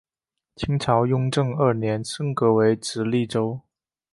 清朝雍正二年升格为直隶州。